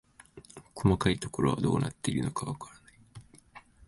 細かいところはどうなっているのかわからない